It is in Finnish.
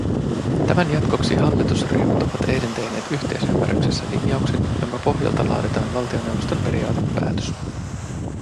Tämän jatkoksi hallitusryhmät ovat eilen tehneet yhteisymmärryksessä linjauksen, jonka pohjalta laaditaan valtioneuvoston periaatepäätös.